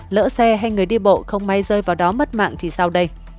lỡ xe hay người đi bộ không may rơi vào đó mất mạng thì sau đây